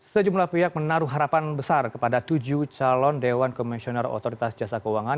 sejumlah pihak menaruh harapan besar kepada tujuh calon dewan komisioner otoritas jasa keuangan